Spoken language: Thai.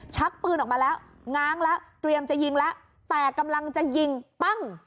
ชักปืนออกมาแล้วง้างแล้วเตรียมจะยิงแล้วแต่กำลังจะยิงปั้ง